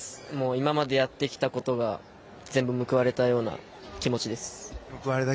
今までやってきたことが全部報われたような気持ちです。